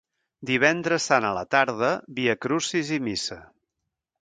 Divendres Sant a la tarda viacrucis i missa.